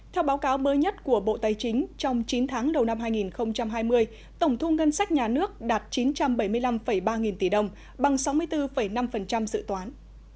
theo báo cáo mới nhất của bộ tài chính trong chín tháng đầu năm hai nghìn hai mươi tổng thu ngân sách nhà nước đạt chín trăm bảy mươi năm ba nghìn tỷ đồng bằng sáu mươi bốn năm dự toán